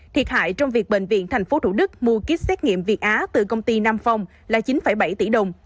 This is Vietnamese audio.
thiệt hại trong việc bệnh viện tp hcm mua kích xét nghiệm việt á từ công ty nam phong là chín bảy tỷ đồng